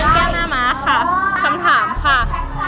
คำถามว่า